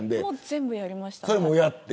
全部やりました。